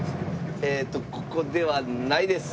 えーとここではないです。